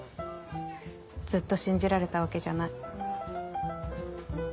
ずっと信じられたわけじゃない。